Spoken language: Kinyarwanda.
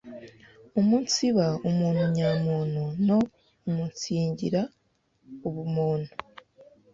umunsiba umuntu nyamuntu no umunsigira ubumuntu,